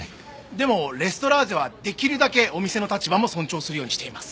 でもレストラーゼは出来るだけお店の立場も尊重するようにしています。